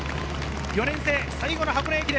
４年生、最後の箱根駅伝。